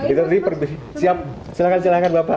itu tadi siap silakan silahkan bapak